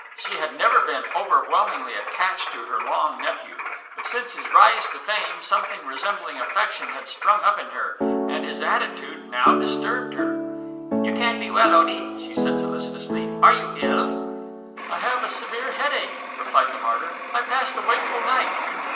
She had never been overwhelmingly attached to her long nephew, but since his rise to fame something resembling affection had sprung up in her, and his attitude now disturbed her. "You can't be well, Otie!" she said solicitously. "Are you ill?" "I have a severe headache," replied the martyr. "I passed a wakeful night."